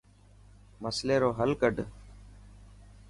مصلي رو هل ڪڌ.